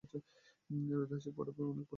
এর ঐতিহাসিক পটভূমি অনেক পুরানো।